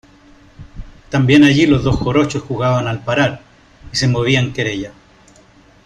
también allí los dos jarochos jugaban al parar, y se movían querella.